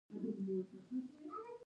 د نظام بقا دا بدلون راوستی.